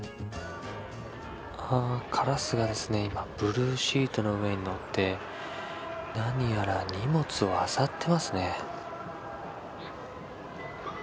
カラスが今ブルーシートの上に乗って何やら荷物をあさっていますね。